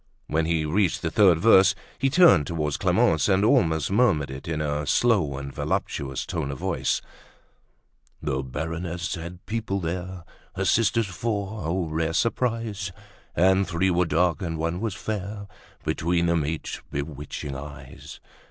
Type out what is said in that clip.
When he reached the third verse he turned towards Clemence and almost murmured it in a slow and voluptuous tone of voice: "The baroness had people there, Her sisters four, oh! rare surprise; And three were dark, and one was fair; Between them, eight bewitching eyes."